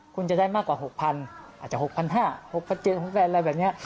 คุณจะได้มากกว่าหกพันอาจจะหกพันห้าหกพันเจนหกแฟนอะไรแบบเนี้ย